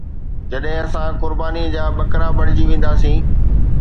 جڏهن اسان قربانيءَ جا بکرا بڻجي وينداسين.